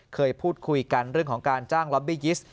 เคยพูดคุยกันเรื่องของการจ้างล็อบบี้ยิสต์